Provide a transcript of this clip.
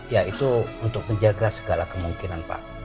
ya itu untuk menjaga segala kemungkinan pak